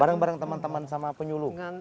bareng bareng teman teman sama penyuluh